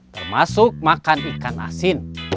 termasuk makan ikan asin